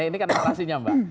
nah narasinya mbak